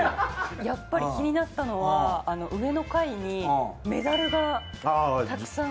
やっぱり気になったのは上の階にメダルがたくさん。